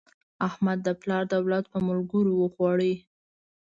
احمد د پلار دولت په ملګرو وخوړ.